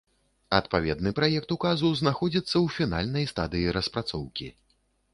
Адпаведны праект указу знаходзіцца ў фінальнай стадыі распрацоўкі.